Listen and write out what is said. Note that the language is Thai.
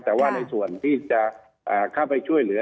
แต่ว่าในส่วนที่จะเข้าไปช่วยเหลือ